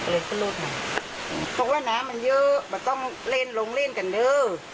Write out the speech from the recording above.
เลยก็โลดมาเพราะว่าน้ำมันเยอะมันต้องเล่นลงเล่นกันเด้อ